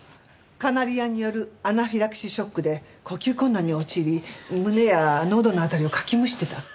カナリアによるアナフィラキシーショックで呼吸困難に陥り胸やのどの辺りをかきむしってた。